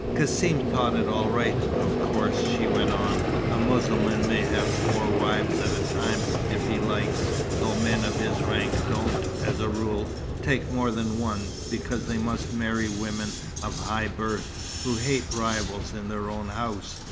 "Cassim thought it all right, of course," she went on. "A Mussulman may have four wives at a time if he likes though men of his rank don't, as a rule, take more than one, because they must marry women of high birth, who hate rivals in their own house.